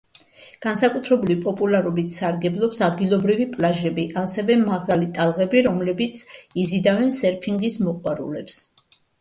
განსაკუთრებული პოპულარობით სარგებლობს ადგილობრივი პლაჟები, ასევე მაღალი ტალღები, რომლებიც იზიდავენ სერფინგის მოყვარულებს.